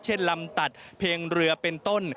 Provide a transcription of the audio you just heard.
ลำตัดเพลงเรือเป็นต้น